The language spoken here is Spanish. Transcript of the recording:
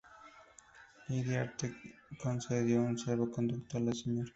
Iriarte concedió un salvoconducto a la Sra.